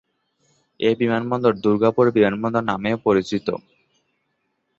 এই বিমানবন্দর দুর্গাপুর বিমানবন্দর নামেও পরিচিত।